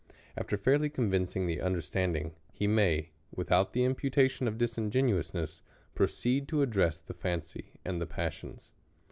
After fairly con vincing the understanding, he may, without the impu tation of disingenuousness, proceed to address tiie fancy and the passions..